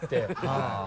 はい。